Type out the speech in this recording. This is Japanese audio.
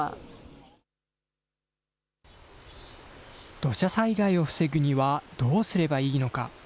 土砂災害を防ぐにはどうすればいいのか。